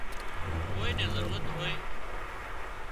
ڪوئي نين ضرورت هوئي